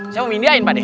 saya mau mindiain pak deh